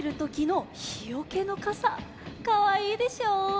かわいいでしょ？